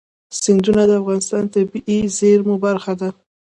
سیندونه د افغانستان د طبیعي زیرمو برخه ده.